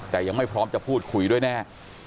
แต่ยังไม่พร้อมจะพูดคุยด้วยแน่